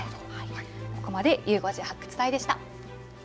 ここまでゆう５時発掘隊でした。